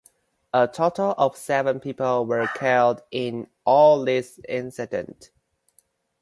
A total of seven people were killed in all these incidents.